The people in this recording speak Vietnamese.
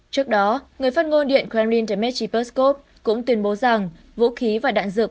trước đó người phát ngôn điện kremlin dmitry peskov cũng tuyên bố rằng vũ khí và đạn dược